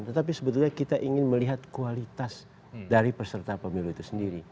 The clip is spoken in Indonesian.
tetapi sebetulnya kita ingin melihat kualitas dari peserta pemilu itu sendiri